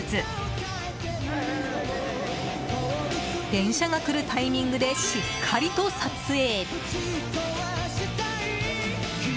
電車が来るタイミングでしっかりと撮影。